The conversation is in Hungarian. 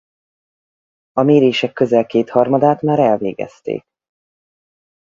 A mérések közel kétharmadát már elvégezték.